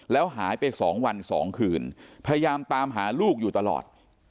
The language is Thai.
แล้วหายไป๒วัน๒คืนพยายามตามหาลูกอยู่ตลอด